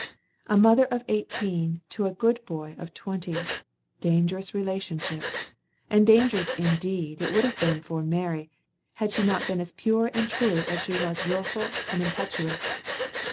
A mother of eighteen to a "good boy" of twenty two! Dangerous relationship! And dangerous, indeed, it would have been for Mary, had she not been as pure and true as she was wilful and impetuous.